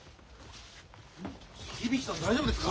響さん大丈夫ですか？